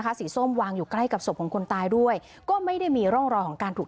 สีส้มวางอยู่ใกล้กับศพของคนตายด้วยก็ไม่ได้มีร่องรอยของการถูก